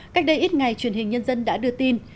cách đây ít ngày truyền hình nhân dân đã đưa tin